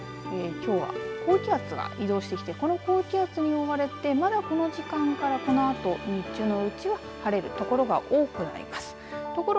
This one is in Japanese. きょうは高気圧が移動してきてこの高気圧に覆われてまだこの時間からこのあと日中のうちは晴れるところが多くなります。